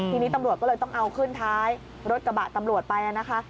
ทีนี้ตำรวจก็เลยต้องเอาขึ้นท้ายรถกระบะตำรวจไปนะคะ